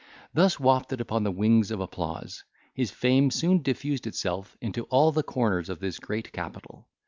Thus wafted upon the wings of applause, his fame soon diffused itself into all the corners of this great capital.